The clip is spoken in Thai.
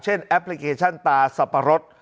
แอปพลิเคชันตาสับปะรด